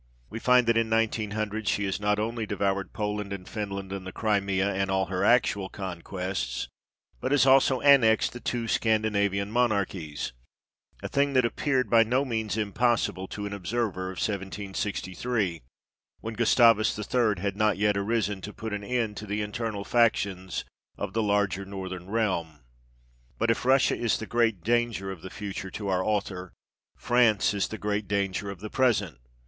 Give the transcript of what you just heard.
We find that in 1900 she has not only devoured Poland and Finland and the Crimea, and all her actual conquests, but has also annexed the two Scandinavian monarchies a thing that appeared by no means impossible to an observer of 1763, when Gustavus III. had not yet arisen to put an end to the internal factions of the larger Northern realm. But if Russia is the great danger of the future to our author, France is the great danger of the present.